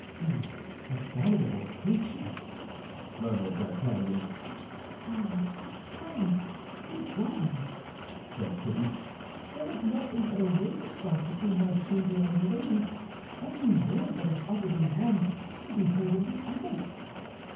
"The abominable creature," murmured D'Artagnan. "Silence, silence, begone!" said Kitty. "There is nothing but a wainscot between my chamber and Milady's; every word that is uttered in one can be heard in the other."